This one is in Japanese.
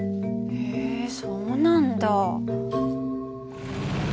へえそうなんだ。